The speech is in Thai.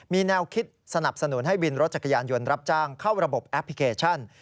มีแนวคิดสนับสนุนให้วินรถจักรยานยนต์รับจ้างเข้าระบบแอปพลิเคชัน